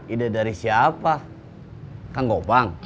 ide dari siapa kang gobang